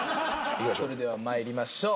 それでは参りましょう。